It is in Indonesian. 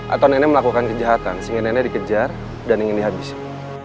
atau nenek melakukan kejahatan singin nenek dikejar dan ingin dihabiskan